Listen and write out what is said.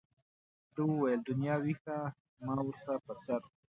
ده وویل دنیا وښیه ما ورته په سر.